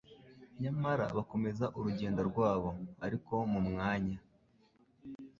nyamara bakomeza urugendo rwabo. Ariko mu mwanya,